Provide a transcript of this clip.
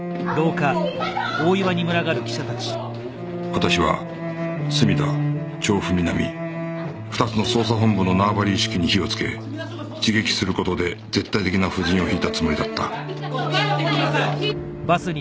私は墨田調布南２つの捜査本部の縄張り意識に火をつけ刺激する事で絶対的な布陣を敷いたつもりだった